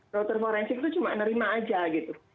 dokter forensik itu cuma nerima aja gitu